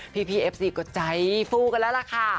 พี่เอฟซีก็ใจฟู้กันแล้วล่ะค่ะ